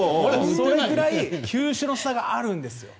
そのぐらい球種の差があるんです。